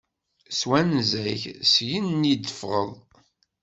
S twenza-k syen i d-teffɣeḍ